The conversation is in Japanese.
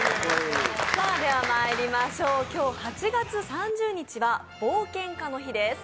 今日８月３０日は冒険家の日です。